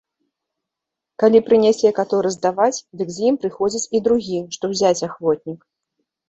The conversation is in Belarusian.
Калі прынясе каторы здаваць, дык з ім прыходзіць і другі, што ўзяць ахвотнік.